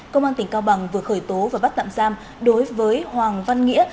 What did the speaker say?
công an tỉnh cao bằng vừa khởi tố và bắt tạm giam đối với hoàng văn nghĩa